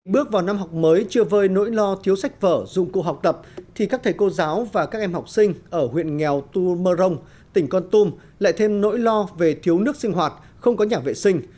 bước vào năm học mới chưa vơi nỗi lo thiếu sách vở dụng cụ học tập thì các thầy cô giáo và các em học sinh ở huyện nghèo tu môn mơ rông tỉnh con tum lại thêm nỗi lo về thiếu nước sinh hoạt không có nhà vệ sinh